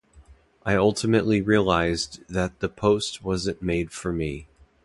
I ultimately realized that that post wasn’t made for me.